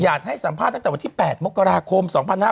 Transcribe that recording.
ให้สัมภาษณ์ตั้งแต่วันที่๘มกราคม๒๕๕๙